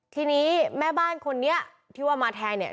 ทีนี้แม่บ้านคนนี้ที่ว่ามาแทงเนี่ย